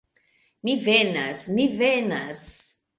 Mi venas, mi venas!